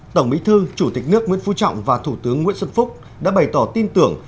tổng bí thư chủ tịch nước nguyễn phú trọng và thủ tướng nguyễn xuân phúc đã bày tỏ tin tưởng